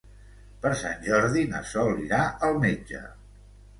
Per Sant Jordi na Sol irà al metge.